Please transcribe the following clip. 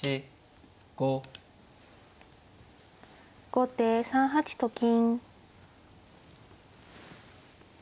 後手３八と金。